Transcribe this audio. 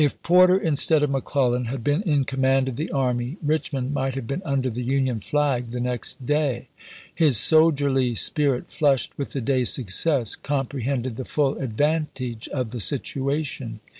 XXIII. ter, instead of McClellau, had been in command of the army, Richmond might have been under the Union flag the next day. His soldierly spirit, flushed with the day's success, comprehended the full advantage of the situation.